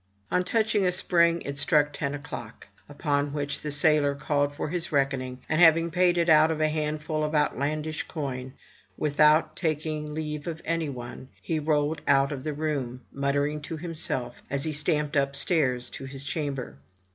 On touching a spring it struck ten o'clock; upon which the sailor called for his reckoning, and having paid it out of a handful of outlandish coin, without taking leave of any one, he rolled out of the room, muttering to himself, as he stamped upstairs to his chamber.